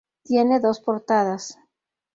Tiene dos portadas.